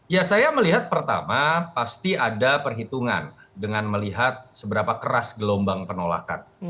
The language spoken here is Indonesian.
ya saya melihat pertama pasti ada perhitungan dengan melihat seberapa keras gelombang penolakan